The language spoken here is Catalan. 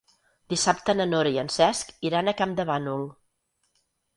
Dissabte na Nora i en Cesc iran a Campdevànol.